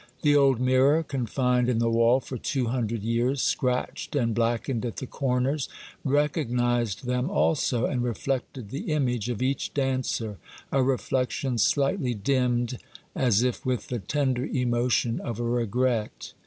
The old mirror, confined in the wall for two hundred years, scratched and black ened at the corners, recognized them also, and re flected the image of each dancer, — a reflection slightly dimmed, as if with the tender emotion of a regret.